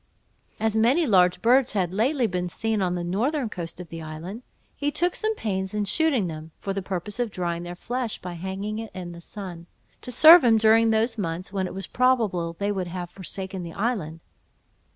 As many large birds had lately been seen on the northern coast of the island, he took some pains in shooting them, for the purpose of drying their flesh by hanging it in the sun, to serve him during those months when it was probable they would have forsaken the island.